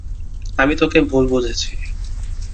আমি তোকে ভুল বুঝেছি।